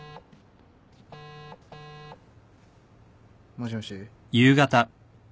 もしもし。